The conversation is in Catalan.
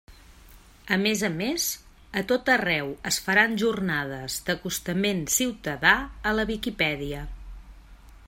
A més a més, a tot arreu es faran jornades d'acostament ciutadà a la Viquipèdia.